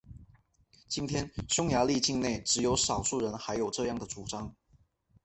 今天匈牙利境内只有少数人还有这样的主张。